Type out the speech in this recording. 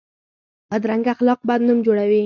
بدرنګه اخلاق بد نوم جوړوي